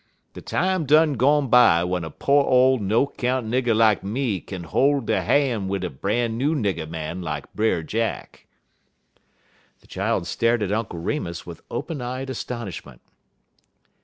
De time done gone by w'en a po' ole no 'count nigger lak me kin hol' he han' wid a bran new nigger man lak Brer Jack." The child stared at Uncle Remus with open eyed astonishment.